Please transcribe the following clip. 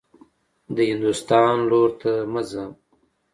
د هندوستان لور ته مه ځه.